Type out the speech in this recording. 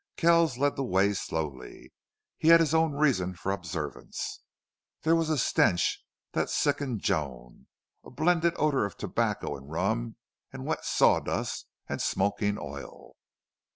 Kells led the way slowly. He had his own reason for observance. There was a stench that sickened Joan a blended odor of tobacco and rum and wet sawdust and smoking oil.